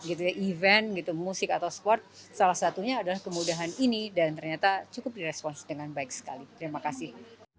jadi event musik atau sport salah satunya adalah kemudahan ini dan ternyata cukup direspon dengan baik sekali terima kasih